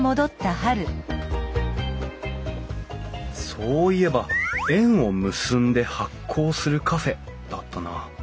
そういえば「縁を結んで発酵するカフェ」だったな。